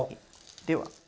では。